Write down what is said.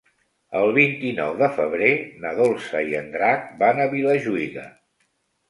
El vint-i-nou de febrer na Dolça i en Drac van a Vilajuïga.